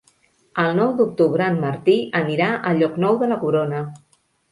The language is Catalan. El nou d'octubre en Martí anirà a Llocnou de la Corona.